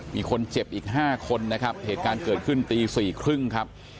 มีคนเจ็บอีก๕คนนะครับเหตุการณ์เกิดขึ้นตี๔๓๐ครับ